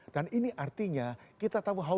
dan ini artinya kita harus berpikir